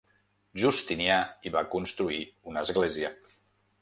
Justinià hi va construir una església.